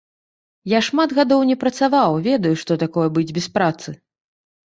Я шмат гадоў не працаваў, ведаю, што такое быць без працы.